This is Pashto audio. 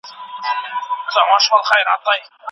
د مطالعې تر څنګ خپل چاپېريال هم درک کړئ.